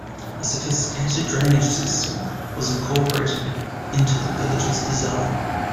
A sophisticated drainage system was incorporated into the village's design.